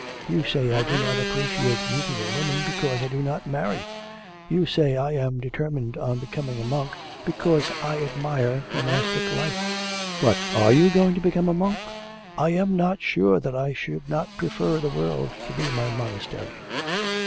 You say I do not appreciate beauty in women because I do not marry. You say I am determined on becoming a monk, because I admire monastic life.' 'But are you going to become a monk?' 'I am not sure that I should not prefer the world to be my monastery.'